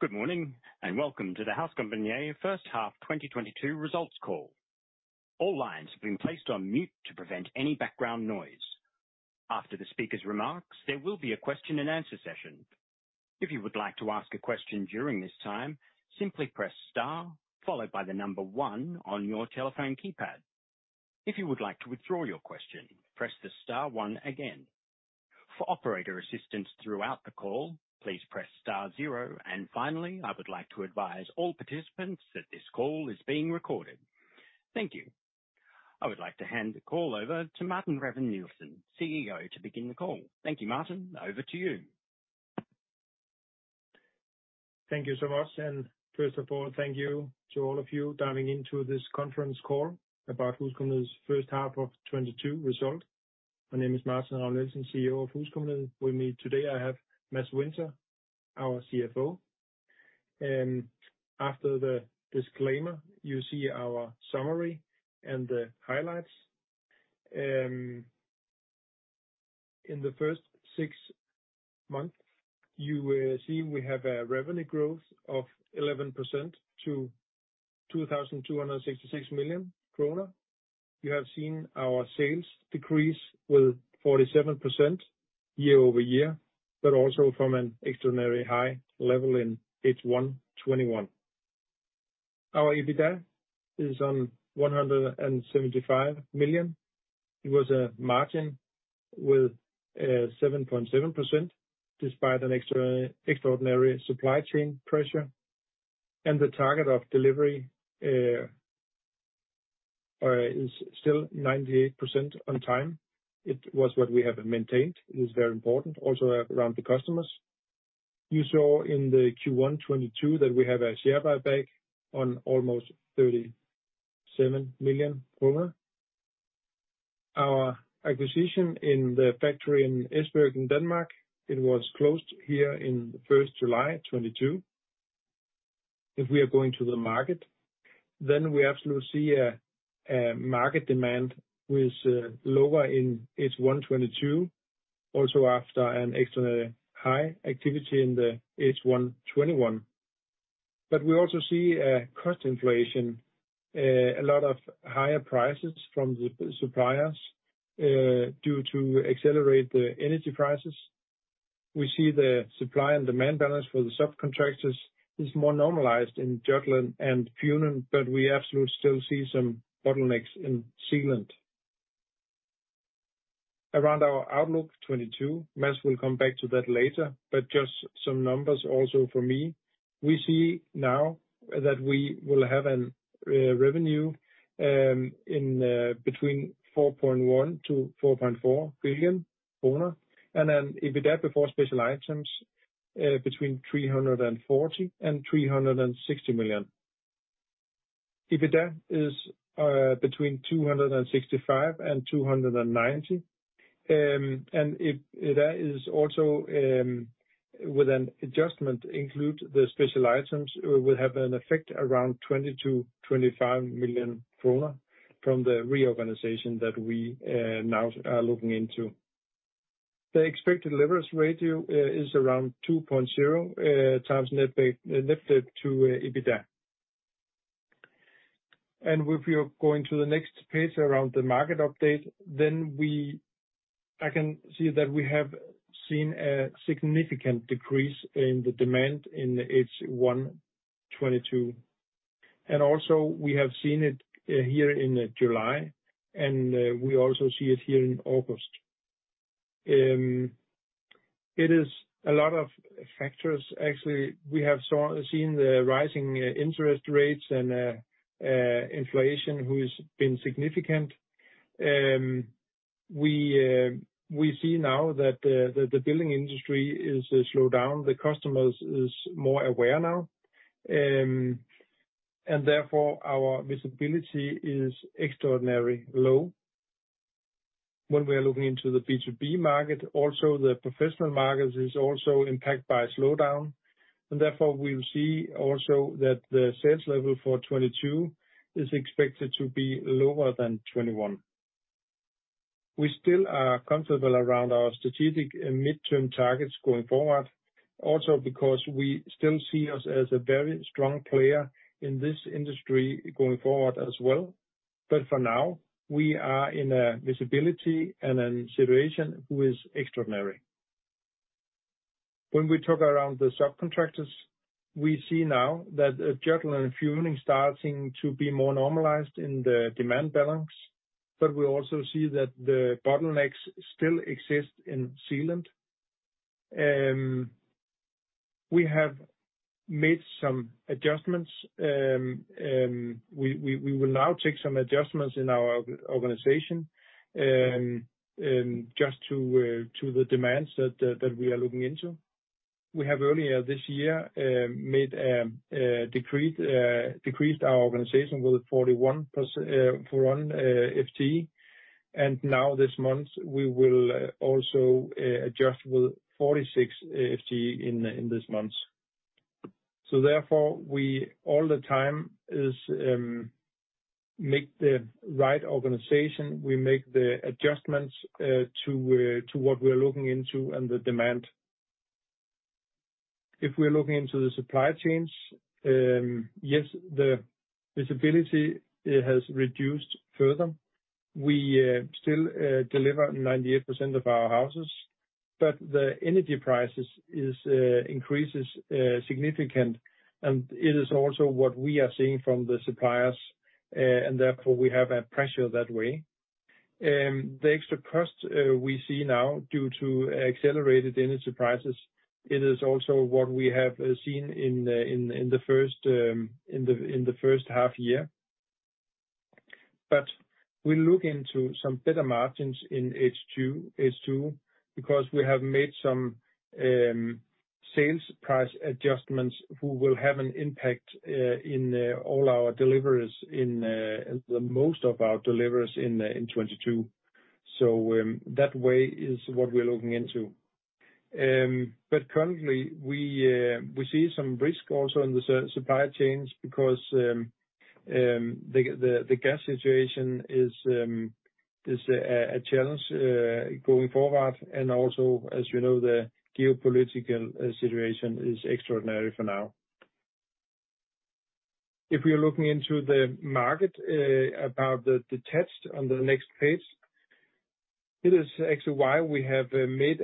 Good morning, and welcome to the HusCompagniet first half 2022 results call. All lines have been placed on mute to prevent any background noise. After the speaker's remarks, there will be a question and answer session. If you would like to ask a question during this time, simply press star followed by the number one on your telephone keypad. If you would like to withdraw your question, press the star one again. For operator assistance throughout the call, please press star zero. Finally, I would like to advise all participants that this call is being recorded. Thank you. I would like to hand the call over to Martin Ravn-Nielsen, CEO, to begin the call. Thank you, Martin. Over to you. Thank you so much. First of all, thank you to all of you diving into this conference call about HusCompagniet's first half of 2022 result. My name is Martin Ravn-Nielsen, CEO of HusCompagniet. With me today I have Mads Winther, our CFO. After the disclaimer, you see our summary and the highlights. In the first six months, you will see we have a revenue growth of 11% to 2,266 million kroner. You have seen our sales decrease with 47% year-over-year, but also from an extraordinary high level in H1 2021. Our EBITDA is 175 million. It was a margin with 7.7% despite an extraordinary supply chain pressure. The target of delivery is still 98% on time. It was what we have maintained. It is very important also around the customers. You saw in the Q1 2022 that we have a share buyback on almost 37 million kroner. Our acquisition of the factory in Esbjerg in Denmark. It was closed on 1 July 2022. If we are going to the market, then we absolutely see lower market demand in H1 2022, also after an extremely high activity in the H1 2021. We also see a cost inflation, a lot of higher prices from the suppliers, due to accelerated energy prices. We see the supply and demand balance for the subcontractors is more normalized in Jutland and Funen, but we absolutely still see some bottlenecks in Zealand. Around our outlook 2022, Mads will come back to that later, but just some numbers also from me. We see now that we will have a revenue in between 4.1 billion-4.4 billion kroner. EBITDA before special items between 340 million-360 million. EBITDA is between 265 million-290 million. EBITDA is also, with an adjustment including the special items, will have an effect around 20 million-25 million kroner from the reorganization that we now are looking into. The expected leverage ratio is around 2.0x net debt to EBITDA. If you're going to the next page around the market update, then I can see that we have seen a significant decrease in the demand in H1 2022. We have seen it here in July, and we also see it here in August. It is a lot of factors. Actually, we have seen the rising interest rates and inflation which has been significant. We see now that the building industry is slowed down. The customers is more aware now, and therefore our visibility is extraordinarily low. When we are looking into the B2B market, also the professional markets is also impacted by slowdown, and therefore we will see also that the sales level for 2022 is expected to be lower than 2021. We still are comfortable around our strategic midterm targets going forward, also because we still see us as a very strong player in this industry going forward as well. For now, we are in a visibility and a situation which is extraordinary. When we talk about the subcontractors, we see now that Jutland and Funen starting to be more normalized in the demand balance, but we also see that the bottlenecks still exist in Zealand. We have made some adjustments. We will now take some adjustments in our organization, just to the demands that we are looking into. We have earlier this year decreased our organization with 41 FTE. Now this month, we will also adjust with 46 FTE in this month. Therefore, we all the time is make the right organization. We make the adjustments to what we're looking into and the demand. If we're looking into the supply chains, yes, the visibility, it has reduced further. We still deliver 98% of our houses. The energy price increases are significant, and it is also what we are seeing from the suppliers, and therefore we have a pressure that way. The extra cost we see now due to accelerated energy prices, it is also what we have seen in the first half year. We look into some better margins in H2 because we have made some sales price adjustments who will have an impact in all our deliveries in 2022. That way is what we're looking into. Currently we see some risk also in the supply chains because the gas situation is a challenge going forward and also, as you know, the geopolitical situation is extraordinary for now. If we are looking into the market about the detached on the next page, it is actually why we have made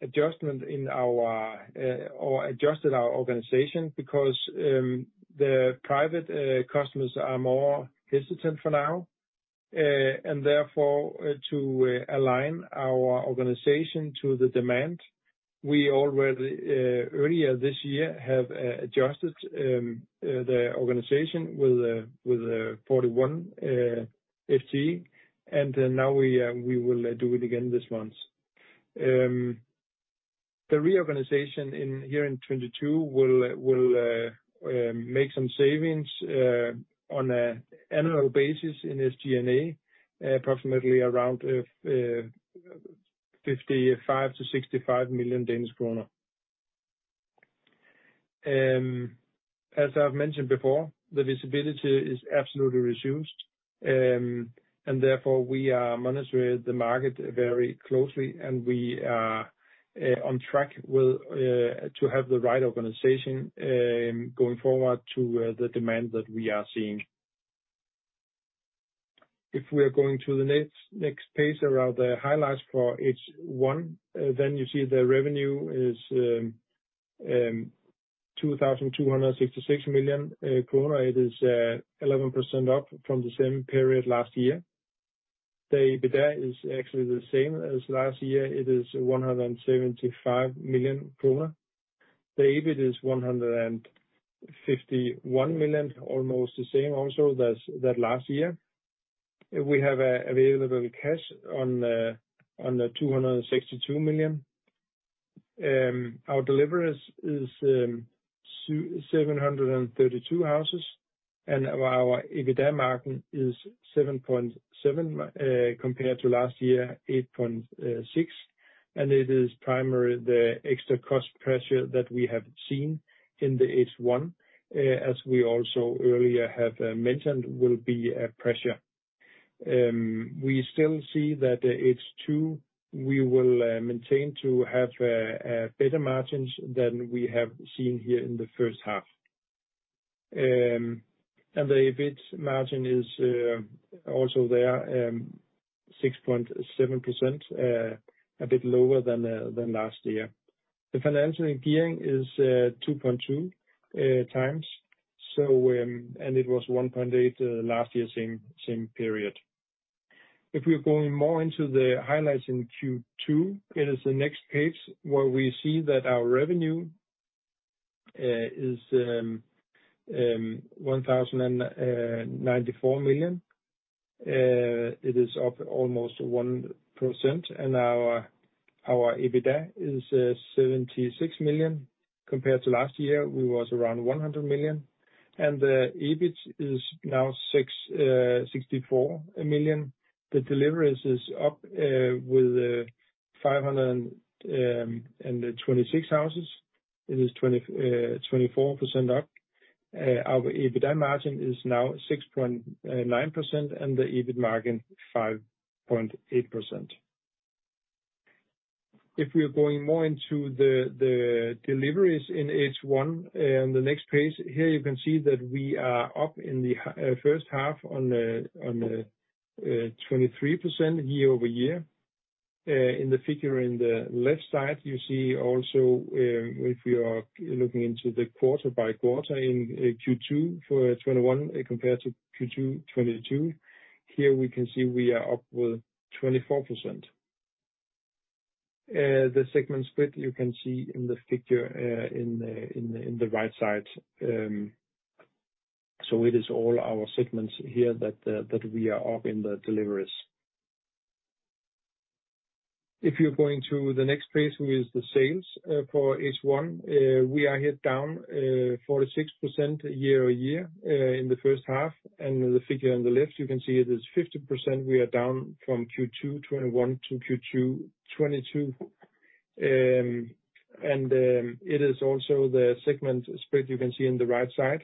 adjustment in our or adjusted our organization because the private customers are more hesitant for now and therefore to align our organization to the demand. We already earlier this year have adjusted the organization with 41 FTE, and then now we will do it again this month. The reorganization in here in 2022 will make some savings on an annual basis in SG&A, approximately around 55 million-65 million Danish kroner. As I've mentioned before, the visibility is absolutely reduced, and therefore we are monitoring the market very closely, and we are on track to have the right organization going forward to the demand that we are seeing. If we are going to the next page around the highlights for H1, then you see the revenue is 2,266 million kroner. It is 11% up from the same period last year. The EBITDA is actually the same as last year. It is 175 million kroner. The EBIT is 151 million, almost the same also as that last year. We have available cash of 262 million. Our deliveries is 732 houses, and our EBITDA margin is 7.7%, compared to last year, 8.6%. It is primarily the extra cost pressure that we have seen in the H1, as we also earlier have mentioned, will be a pressure. We still see that H2, we will maintain to have better margins than we have seen here in the first half. The EBIT margin is also there 6.7%, a bit lower than last year. The financial gearing is 2.2x, and it was 1.8x last year same period. If we're going more into the highlights in Q2, it is the next page where we see that our revenue is 1,094 million. It is up almost 1%, and our EBITDA is 76 million. Compared to last year, we was around 100 million. The EBIT is now 64 million. The deliveries is up with 526 houses. It is 24% up. Our EBITDA margin is now 6.9% and the EBIT margin 5.8%. If we are going more into the deliveries in H1, in the next page here, you can see that we are up in the first half on 23% year over year. In the figure in the left side, you see also if you are looking into the quarter by quarter in Q2 2021 compared to Q2 2022, here we can see we are up with 24%. The segment split you can see in the figure in the right side. It is all our segments here that we are up in the deliveries. If you're going to the next page, which is the sales for H1, we are here down 46% year over year in the first half. The figure on the left, you can see it is 50% we are down from Q2 2021 to Q2 2022. It is also the segment split you can see on the right side.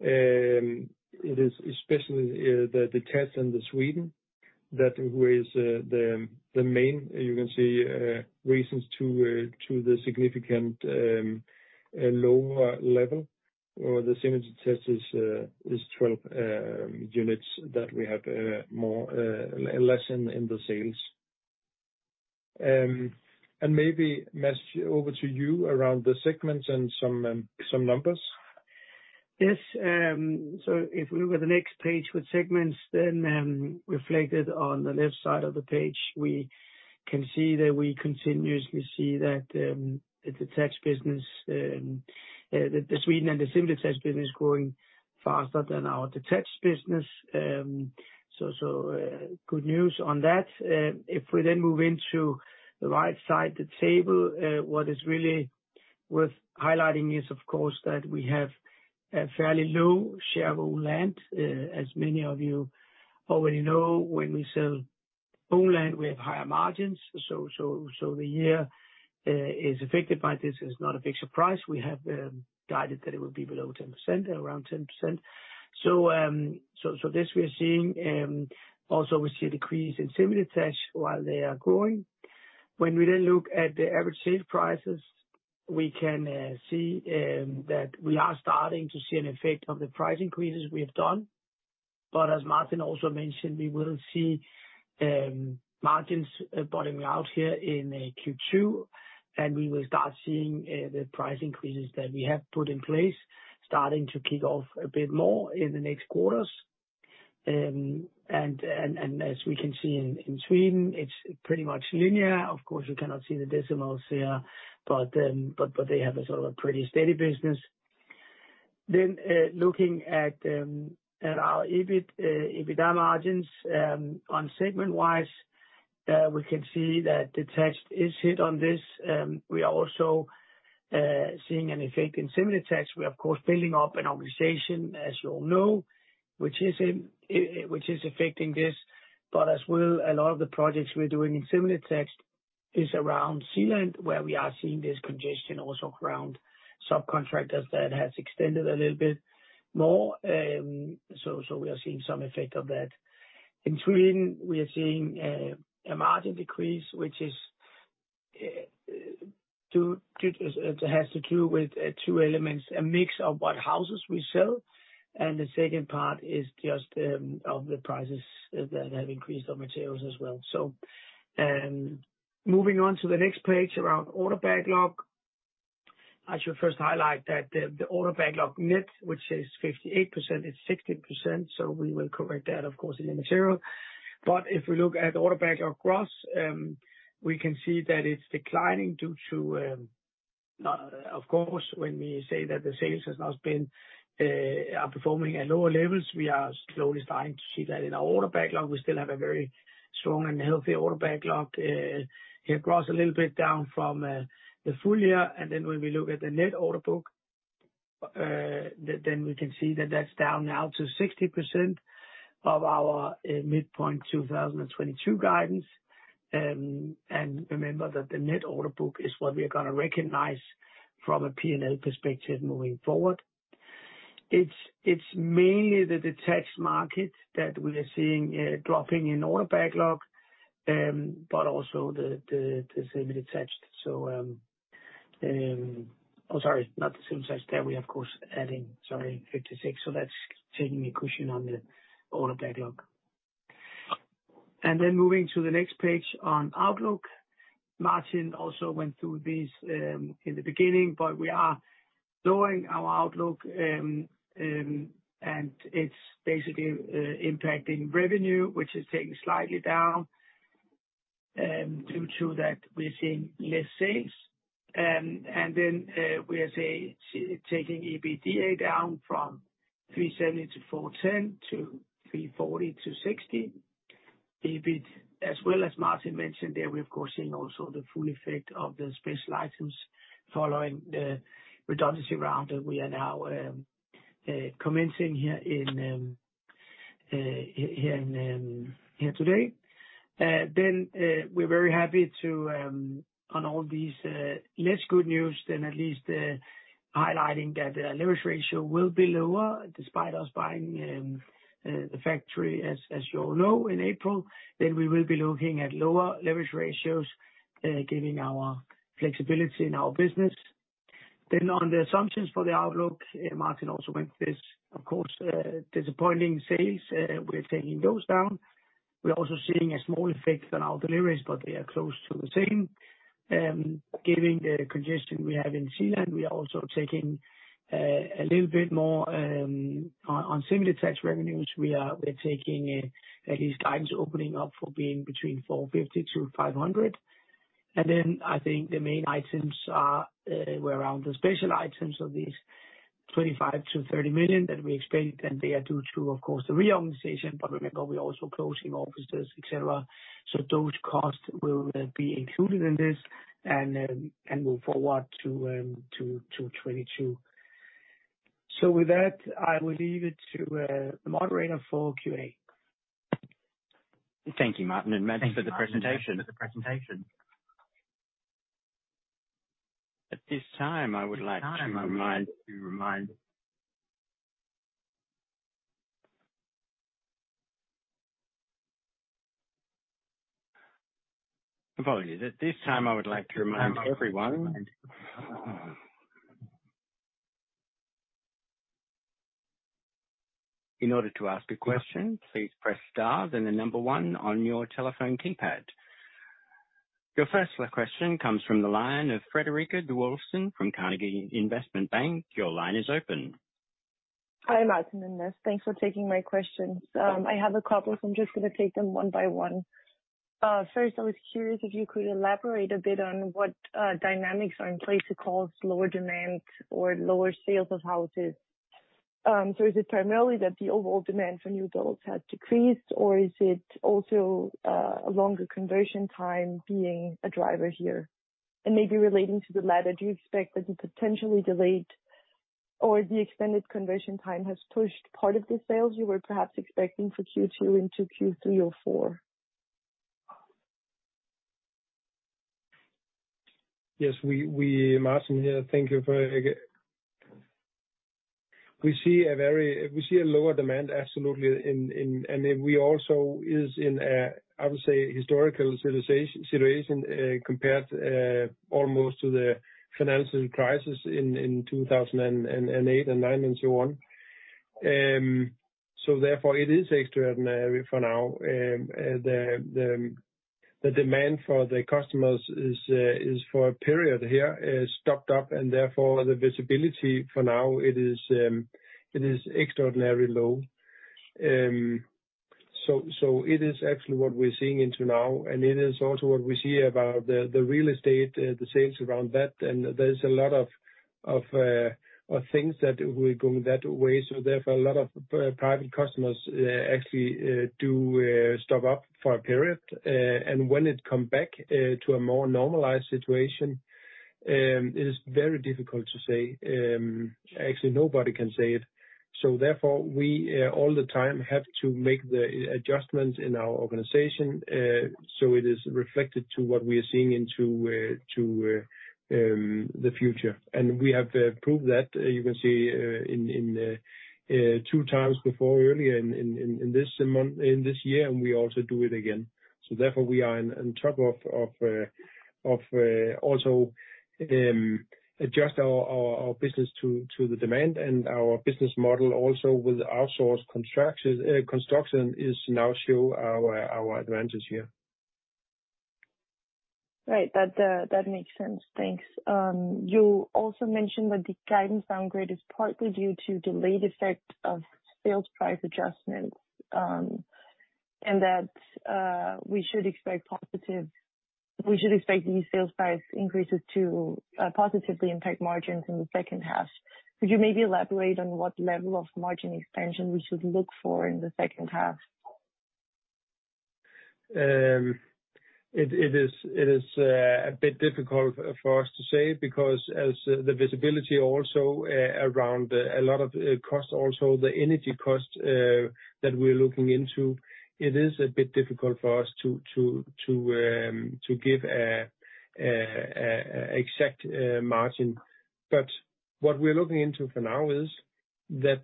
It is especially the Detached in Sweden that was the main, you can say, reasons for the significant lower level, and the semi-detached is 12 units that we have more or less in the sales. Maybe, Mads, over to you around the segments and some numbers. Yes. If we look at the next page with segments then, reflected on the left side of the page, we can see that we continuously see that the Detached business, the Sweden and the semi-detached business growing faster than our Detached business. So good news on that. If we then move into the right side of the table, what is really worth highlighting is, of course, that we have a fairly low share of own land. As many of you already know, when we sell own land, we have higher margins. The year is affected by this. It is not a big surprise. We have guided that it would be below 10%, around 10%. This we are seeing. Also we see a decrease in semi-detached while they are growing. When we then look at the average sales prices, we can see that we are starting to see an effect of the price increases we have done. As Martin also mentioned, we will see margins bottoming out here in Q2, and we will start seeing the price increases that we have put in place starting to kick off a bit more in the next quarters. As we can see in Sweden, it's pretty much linear. Of course, you cannot see the decimals here, but they have a sort of a pretty steady business. Looking at our EBIT, EBITDA margins on segment-wise, we can see that detached is hit on this. We are also seeing an effect in semi-detached. We are of course building up an organization as you all know, which is affecting this. As well, a lot of the projects we're doing in semi-detached is around Zealand, where we are seeing this congestion also around subcontractors that has extended a little bit more. We are seeing some effect of that. In Sweden, we are seeing a margin decrease, which is due to two elements, a mix of what houses we sell, and the second part is just of the prices that have increased on materials as well. Moving on to the next page around order backlog. I should first highlight that the order backlog net, which is 58%, it's 60%, so we will correct that of course in the material. If we look at order backlog gross, we can see that it's declining due to of course, when we say that the sales are performing at lower levels, we are slowly starting to see that in our order backlog. We still have a very strong and healthy order backlog. Here gross a little bit down from the full year. Then when we look at the net order book, then we can see that that's down now to 60% of our midpoint 2022 guidance. Remember that the net order book is what we're gonna recognize from a P&L perspective moving forward. It's mainly the detached market that we are seeing dropping in order backlog, but also the semi-detached. Oh, sorry, not the semi-detached there. We are of course adding, sorry, 56. That's taking a cushion on the order backlog. Moving to the next page on outlook. Martin also went through this in the beginning, but we are lowering our outlook, and it's basically impacting revenue, which is taking slightly down due to that we're seeing less sales. We are taking EBITDA down from 370 million-410 million to 340 million-60 million. EBIT, as well as Martin mentioned there, we're of course seeing also the full effect of the special items following the redundancy round that we are now commencing here today. We're very happy to on all these less good news, at least highlighting that the leverage ratio will be lower despite us buying the factory, as you all know, in April. We will be looking at lower leverage ratios, giving our flexibility in our business. On the assumptions for the outlook, Martin also went through this. Of course, disappointing sales, we're taking those down. We're also seeing a small effect on our deliveries, but they are close to the same. Given the congestion we have in Zealand, we are also taking a little bit more on semi-detached revenues, we're taking at least guidance opening up for being between 450 million-500 million. Then I think the main items were around the special items of 25 million-30 million that we expected, and they are due to, of course, the reorganization, but remember, we're also closing offices, et cetera. Those costs will be included in this and move forward to 2022. With that, I will leave it to the moderator for Q&A. Thank you, Martin and Mads, for the presentation. At this time, I would like to remind everyone. In order to ask a question, please press star then the number one on your telephone keypad. Your first question comes from the line of Frederik Willumsen from Carnegie Investment Bank. Your line is open. Hi, Martin Ravn-Nielsen. Thanks for taking my questions. I have a couple, so I'm just gonna take them one by one. First, I was curious if you could elaborate a bit on what dynamics are in place to cause lower demand or lower sales of houses. So is it primarily that the overall demand for new builds has decreased, or is it also a longer conversion time being a driver here? Maybe relating to the latter, do you expect that the potentially delayed or the extended conversion time has pushed part of the sales you were perhaps expecting for Q2 into Q3 or Q4? Martin here. Thank you again. We see a lower demand absolutely in and then we also is in a I would say historical situation compared almost to the financial crisis in 2008 and 2009 and so on. It is extraordinary for now. The demand for the customers is for a period here stocked up and therefore the visibility for now it is extraordinary low. It is actually what we're seeing into now, and it is also what we see about the real estate the sales around that. There's a lot of things that will go that way. Therefore, a lot of private customers, actually, do stock up for a period. When it come back to a more normalized situation, it is very difficult to say. Actually, nobody can say it. Therefore, we all the time have to make the adjustments in our organization, so it is reflected to what we are seeing into the future. We have proved that, you can see in two times before earlier in this month in this year, and we also do it again. Therefore, we are on top of also adjust our business to the demand and our business model also with outsourced construction is now showing our advantages here. Right. That makes sense. Thanks. You also mentioned that the guidance downgrade is partly due to delayed effect of sales price adjustments, and that we should expect these sales price increases to positively impact margins in the second half. Could you maybe elaborate on what level of margin expansion we should look for in the second half? It is a bit difficult for us to say because as the visibility also around a lot of costs, also the energy costs that we're looking into. It is a bit difficult for us to give an exact margin. What we're looking into for now is that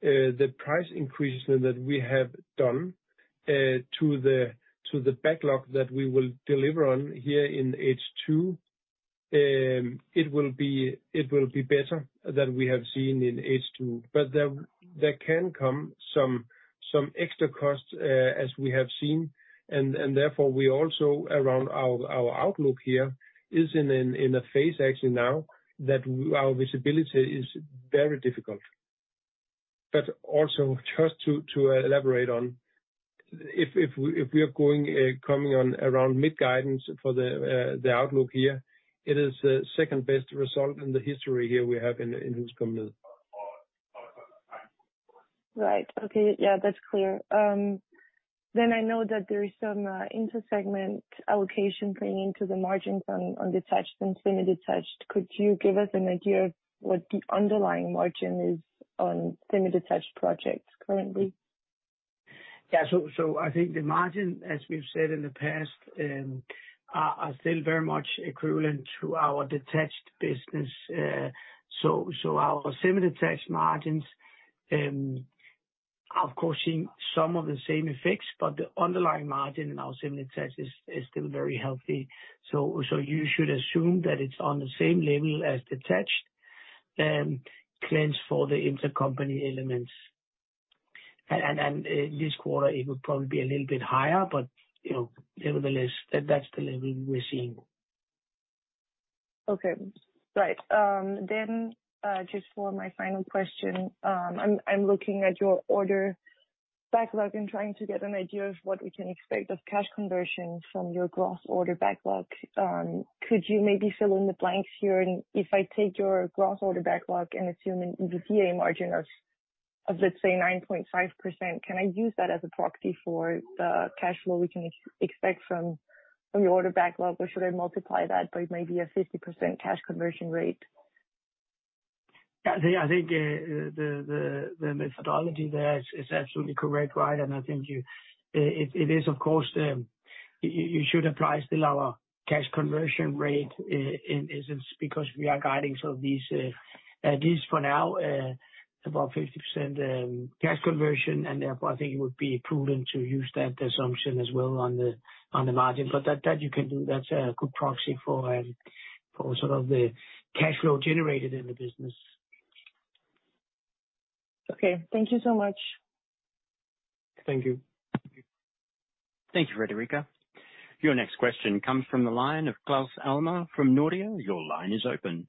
the price increases that we have done to the backlog that we will deliver on here in H2, it will be better than we have seen in H2. There can come some extra costs as we have seen. Therefore, we also around our outlook here is in a phase actually now that our visibility is very difficult. Also, just to elaborate on if we are coming on around mid-guidance for the outlook here, it is the second best result in the history here we have in HusCompagniet. Right. Okay. Yeah, that's clear. I know that there is some inter-segment allocation playing into the margins on detached and semi-detached. Could you give us an idea of what the underlying margin is on semi-detached projects currently? Yeah. I think the margin, as we've said in the past, are still very much equivalent to our detached business. Our semi-detached margins are of course seeing some of the same effects, but the underlying margin in our semi-detached is still very healthy. You should assume that it's on the same level as detached, cleansed for the intercompany elements. This quarter it would probably be a little bit higher, but you know, nevertheless, that's the level we're seeing. Just for my final question, I'm looking at your order backlog and trying to get an idea of what we can expect of cash conversion from your gross order backlog. Could you maybe fill in the blanks here? If I take your gross order backlog and assume an EBITDA margin of let's say 9.5%, can I use that as a proxy for the cash flow we can expect from your order backlog, or should I multiply that by maybe a 50% cash conversion rate? Yeah, I think the methodology there is absolutely correct, right? I think it is, of course, you should still apply our cash conversion rate in this instance, because we are guiding sort of these at least for now about 50% cash conversion, and therefore I think it would be prudent to use that assumption as well on the margin. You can do that's a good proxy for sort of the cash flow generated in the business. Okay, thank you so much. Thank you. Thank you, Frederik. Your next question comes from the line of Claus Almer from Nordea. Your line is open.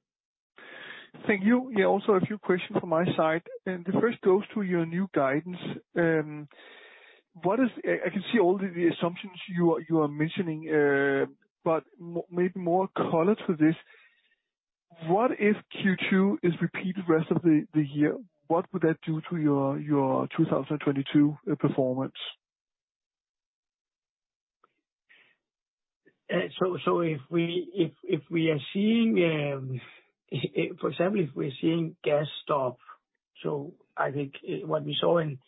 Thank you. Yeah, also a few questions from my side. The first goes to your new guidance. I can see all the assumptions you're mentioning, but maybe more color to this. What if Q2 is repeated rest of the year, what would that do to your 2022 performance? For example, if we're seeing gas spot, I think what we saw in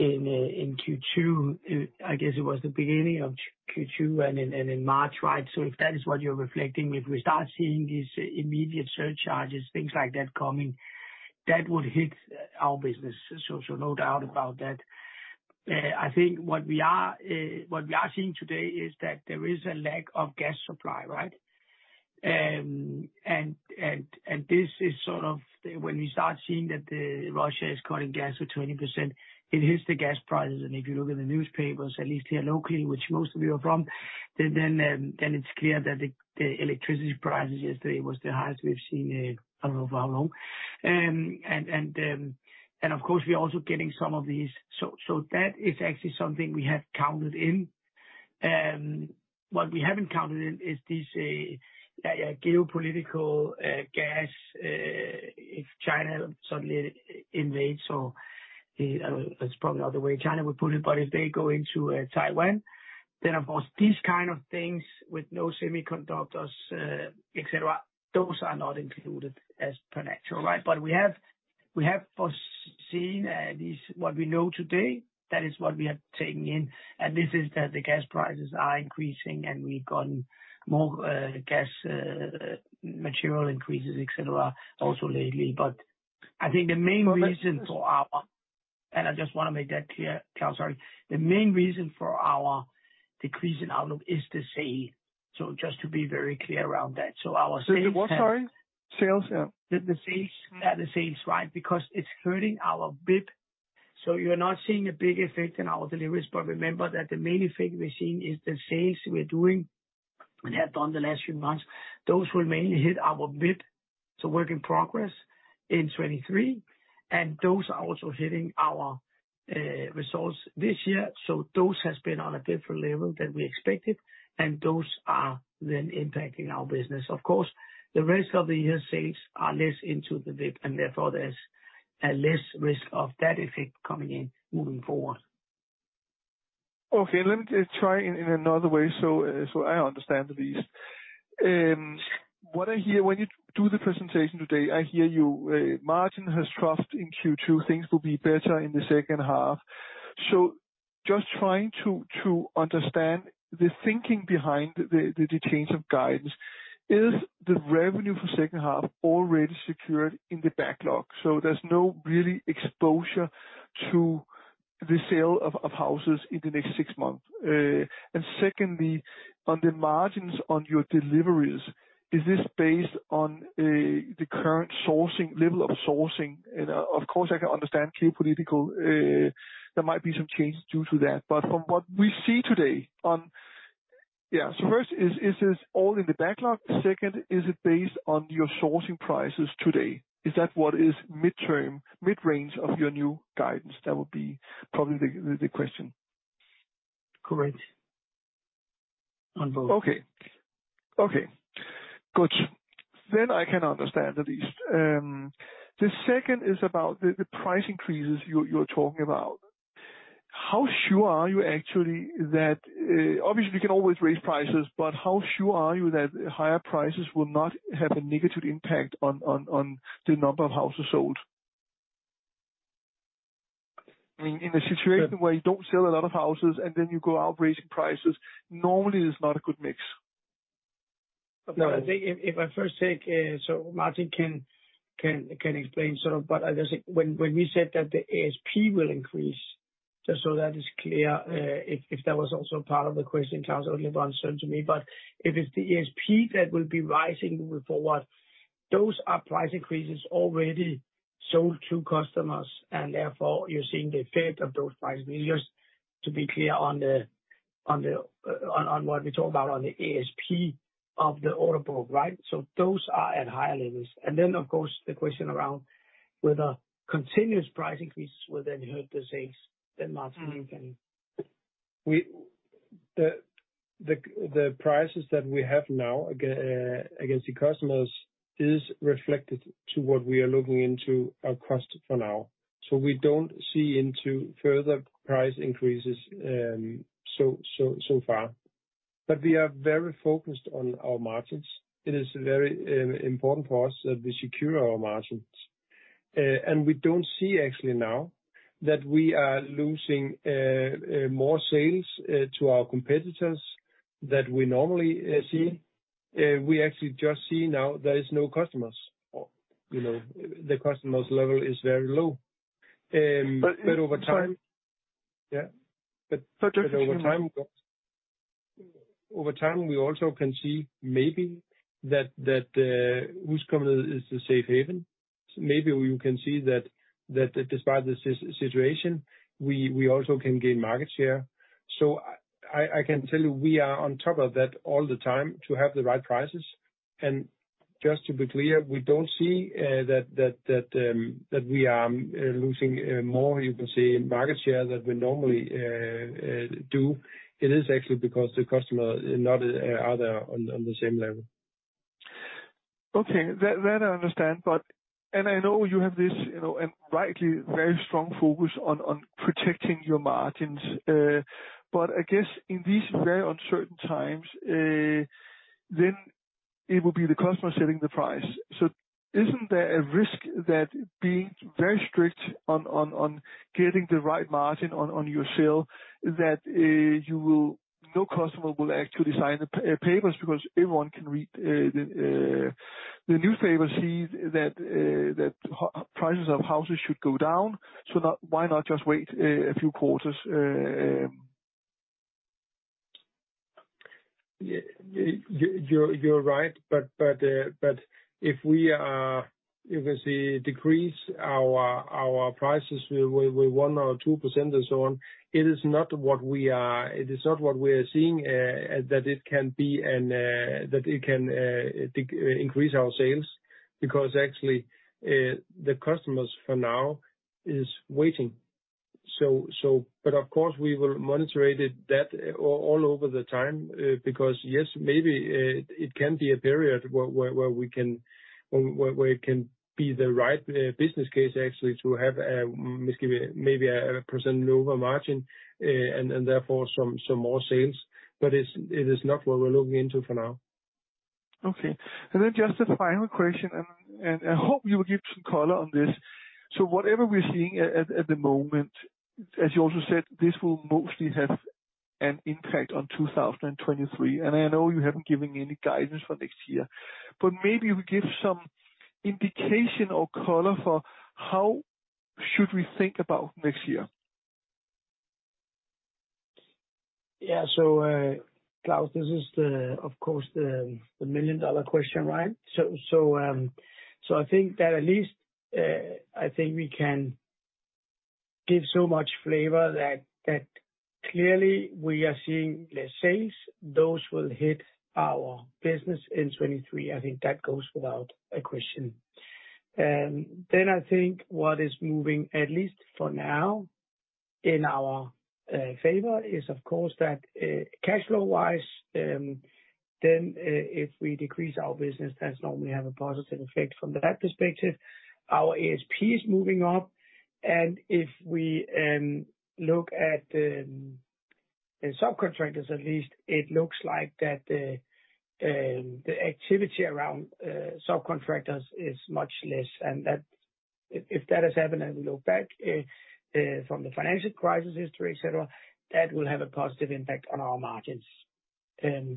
Q2, I guess it was the beginning of Q2 and in March, right? If that is what you're reflecting, if we start seeing these immediate surcharges, things like that coming, that would hit our business. No doubt about that. I think what we are seeing today is that there is a lack of gas supply, right? This is sort of when we start seeing that Russia is cutting gas to 20%, it hits the gas prices. If you look in the newspapers, at least here locally, which most of you are from, then it's clear that the electricity prices yesterday was the highest we've seen. I don't know for how long. Of course, we're also getting some of these. That is actually something we have counted in. What we haven't counted in is this geopolitical gas if China suddenly invades or it's probably another way China would put it, but if they go into Taiwan, then of course these kind of things with no semiconductors et cetera, those are not included as per natural right. We have foreseen this, what we know today, that is what we are taking in, and this is that the gas prices are increasing, and we've gotten more gas, material increases et cetera also lately. I think the main reason for our decrease in outlook is the same. I just wanna make that clear, Claus, sorry. Just to be very clear around that. Our sales have- Say it one more time. Sales? Yeah. The sales. Yeah, the sales, right. Because it's hurting our WIP. You're not seeing a big effect in our deliveries. Remember that the main effect we're seeing is the sales we're doing and have done the last few months. Those will mainly hit our WIP, so work in progress, in 2023, and those are also hitting our results this year. Those has been on a different level than we expected, and those are then impacting our business. Of course, the rest of the year sales are less into the WIP, and therefore there's a less risk of that effect coming in moving forward. Okay, let me just try in another way so I understand these. What I hear when you do the presentation today, I hear you, margin has dropped in Q2, things will be better in the second half. Just trying to understand the thinking behind the change of guidance. Is the revenue for second half already secured in the backlog, so there's no real exposure to the sale of houses in the next six months? Secondly, on the margins on your deliveries, is this based on the current sourcing level of sourcing? Of course, I can understand geopolitical, there might be some changes due to that. From what we see today. First, is this all in the backlog? Second, is it based on your sourcing prices today? Is that what is midterm, mid-range of your new guidance? That would be probably the question. Correct. On both. Okay. Good. I can understand at least. The second is about the price increases you're talking about. How sure are you actually that, obviously, we can always raise prices, but how sure are you that higher prices will not have a negative impact on the number of houses sold? I mean, in a situation where you don't sell a lot of houses and then you go out raising prices, normally it's not a good mix. I think if I first take, Martin can explain sort of, but I just think when we said that the ASP will increase, just so that is clear, if that was also part of the question, Claus, it was uncertain to me. If it's the ASP that will be rising moving forward, those are price increases already sold to customers and therefore you're seeing the effect of those price. We just, to be clear on what we talk about on the ASP of the order book, right? Those are at higher levels. Then of course, the question around whether continuous price increases will then hurt the sales, then Martin you can- The prices that we have now, again, against the customers is reflected in what we are looking into our cost for now. We don't see any further price increases, so far. We are very focused on our margins. It is very important for us that we secure our margins. We don't see actually now that we are losing more sales to our competitors that we normally see. We actually just see now there is no customers. You know, the customers' level is very low. Over time, we also can see maybe that HusCompagniet is a safe haven. Maybe we can see that despite the situation, we also can gain market share. I can tell you, we are on top of that all the time to have the right prices. Just to be clear, we don't see that we are losing more, you can say, market share than we normally do. It is actually because the customers are not there on the same level. Okay. That I understand. I know you have this, you know, and rightly, very strong focus on protecting your margins. I guess in these very uncertain times, then it will be the customer setting the price. Isn't there a risk that being very strict on getting the right margin on your sale that no customer will actually sign the papers because everyone can read the newspaper, see that house prices should go down? Why not just wait a few quarters? Yeah. You're right. If we are, you can say, decrease our prices with 1% or 2% and so on, it is not what we are seeing that it can increase our sales. Because actually, the customers for now is waiting. Of course, we will monitor it all over the time because yes, maybe it can be a period where it can be the right business case actually to have maybe 1% lower margin and therefore some more sales. It's not what we're looking into for now. Just a final question, and I hope you will give some color on this. Whatever we're seeing at the moment, as you also said, this will mostly have an impact on 2023, and I know you haven't given any guidance for next year, but maybe you give some indication or color for how should we think about next year? Yeah. Claus, this is, of course, the million-dollar question, right? I think that at least I think we can give so much flavor that clearly we are seeing less sales. Those will hit our business in 2023. I think that goes without a question. Then I think what is moving, at least for now, in our favor is of course that, cash flow-wise, then if we decrease our business, that's normally have a positive effect from that perspective. Our ASP is moving up. If we look at the subcontractors, at least it looks like that the activity around subcontractors is much less and that if that has happened and we look back from the financial crisis history, et cetera, that will have a positive impact on our margins. I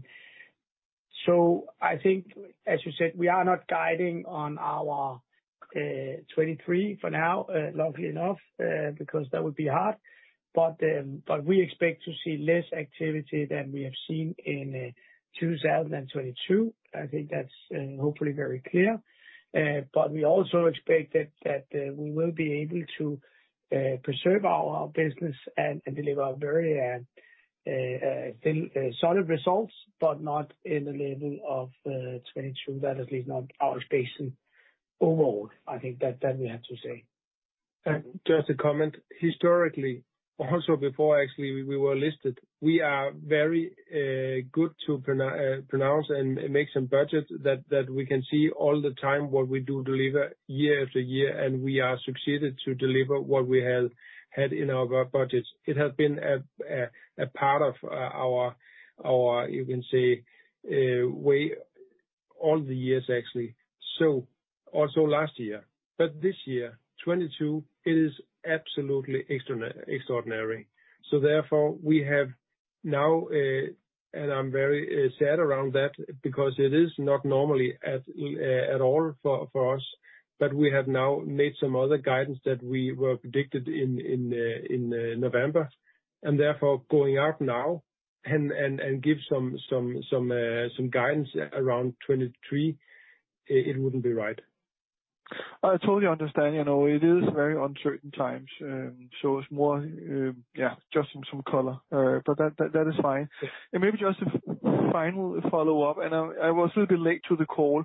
think, as you said, we are not guiding on our 2023 for now, luckily enough, because that would be hard. We expect to see less activity than we have seen in 2022. I think that's hopefully very clear. We also expect that we will be able to preserve our business and deliver a very still solid results, but not in the level of 2022. That at least not our expectation overall. I think that we have to say. Just to comment, historically, also before actually we were listed, we are very good to prognose and make some budgets that we can see all the time what we do deliver year after year, and we are succeeded to deliver what we have had in our budgets. It has been a part of our, you can say, way all the years actually. Also last year. This year, 2022, it is absolutely extraordinary. Therefore, we have now, and I'm very glad about that because it is not normally at all for us, but we have now made some other guidance that we provided in November, and therefore going out now and give some guidance around 2023, it wouldn't be right. I totally understand. You know, it is very uncertain times. It's more, yeah, just some color. That is fine. Maybe just a final follow-up, and I was a little bit late to the call.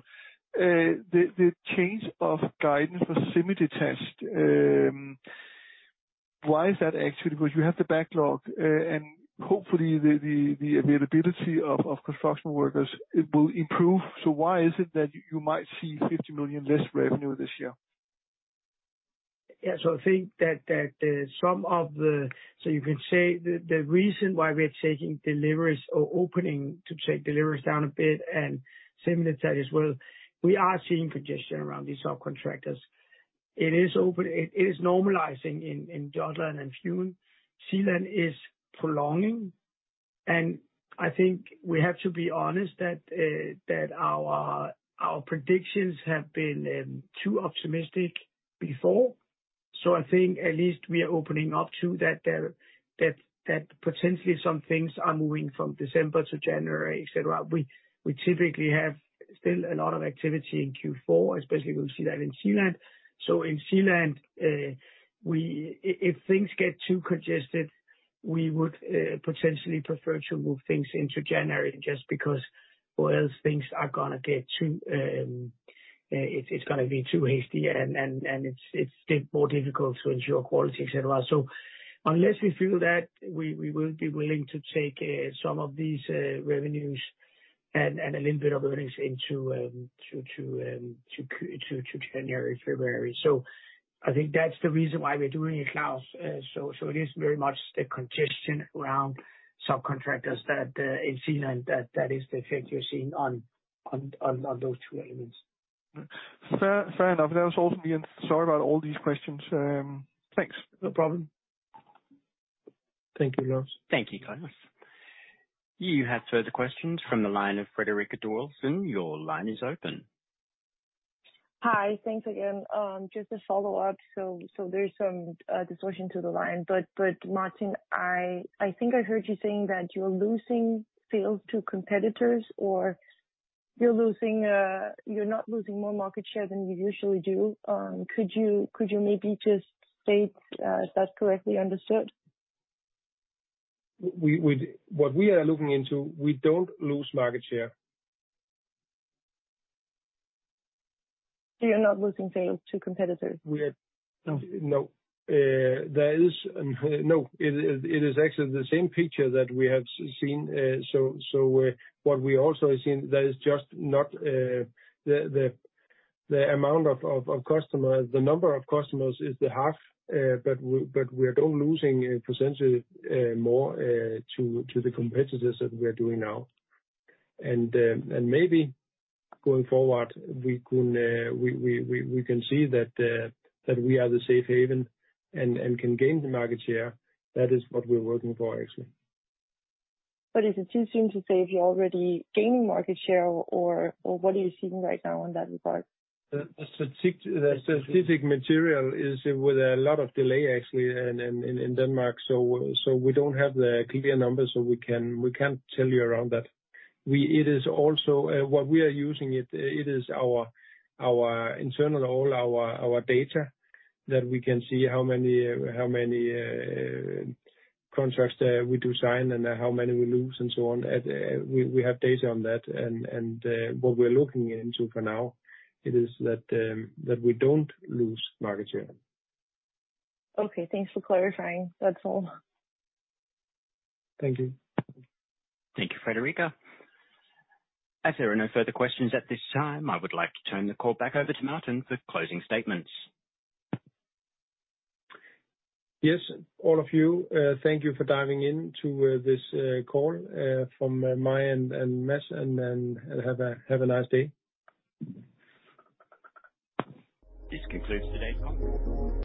The change of guidance for semi-detached. Why is that actually? Because you have the backlog, and hopefully the availability of construction workers, it will improve. Why is it that you might see 50 million less revenue this year? I think that the reason why we are taking deliveries or opening to take deliveries down a bit, and similarly that as well, we are seeing congestion around these subcontractors. It is normalizing in Jutland and Funen. Zealand is prolonging, and I think we have to be honest that our predictions have been too optimistic before. I think at least we are opening up to that potentially some things are moving from December to January, et cetera. We typically have still a lot of activity in Q4, especially we see that in Zealand. In Zealand, if things get too congested, we would potentially prefer to move things into January just because or else things are gonna get too hasty and it's still more difficult to ensure quality, et cetera. Unless we feel that we will be willing to take some of these revenues and a little bit of earnings into January, February. I think that's the reason why we're doing it, Claus. It is very much the congestion around subcontractors in Zealand that is the effect you're seeing on those two elements. Fair, fair enough. That was all for me. Sorry about all these questions. Thanks. No problem. Thank you, Claus. Thank you, Claus. You have further questions from the line of Frederik Willumsen. Your line is open. Hi. Thanks again. Just a follow-up. There's some distortion to the line, but Martin, I think I heard you saying that you're losing sales to competitors or you're not losing more market share than you usually do. Could you maybe just state if that's correctly understood? What we are looking into, we don't lose market share. You're not losing sales to competitors? It is actually the same picture that we have seen. So what we also have seen that is just not the amount of customers, the number of customers is the half, but we are not losing essentially more to the competitors than we are doing now. Maybe going forward, we can see that we are the safe haven and can gain the market share. That is what we're working for actually. Is it too soon to say if you're already gaining market share or what are you seeing right now in that regard? The statistic material is with a lot of delay actually in Denmark. We don't have the clear numbers, so we can't tell you about that. It is also what we are using. It is our internal data that we can see how many contracts we do sign and how many we lose and so on. We have data on that and what we're looking into for now is that we don't lose market share. Okay. Thanks for clarifying. That's all. Thank you. Thank you, Frederik. As there are no further questions at this time, I would like to turn the call back over to Martin for closing statements. Yes. All of you, thank you for dialing in to this call from my end and Mads and then have a nice day. This concludes today's call.